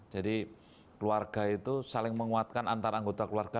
jadi keluarga itu saling menguatkan antara anggota keluarga